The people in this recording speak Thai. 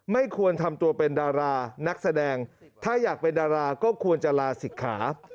ไม่ควรทำตัวเป็นดารานักแสดงถ้าอยากเป็นดาราก็ควรจะลาศิกขา